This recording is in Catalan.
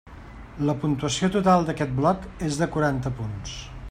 La puntuació total d'aquest bloc és de quaranta punts.